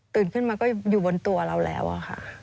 ขึ้นมาก็อยู่บนตัวเราแล้วอะค่ะ